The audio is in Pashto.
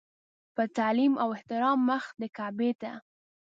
په تعلیم او احترام مخ د کعبې ته.